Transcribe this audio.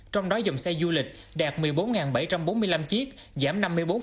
trong đó dòng xe du lịch đạt một mươi bốn bảy trăm bốn mươi năm chiếc giảm năm mươi bốn